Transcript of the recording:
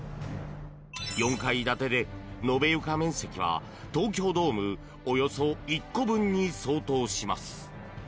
４階建てで、延べ床面積は東京ドームおよそ１個分に相当します。